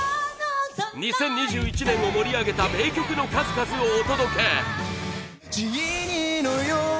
２０２１年を盛り上げた名曲の数々をお届け。